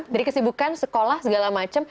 dari kesibukan sekolah segala macam